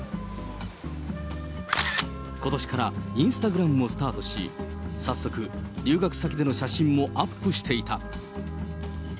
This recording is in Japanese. ことしからインスタグラムもスタートし、早速、留学先での写真もアップしていた。